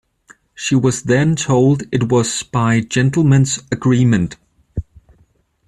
She was then told it was by 'gentlemen's agreement.